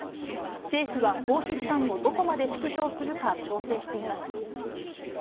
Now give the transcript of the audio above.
政府は公費負担をどこまで縮小するか調整しています。